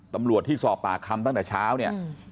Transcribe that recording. ตำรวจที่สอบปากคำตั้งแต่เช้าเนี่ย